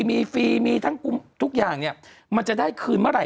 มีฟรีทุกอย่างมันจะได้คืนเมื่อไหร่